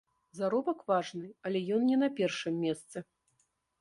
Заробак важны, але ён не на першым месцы.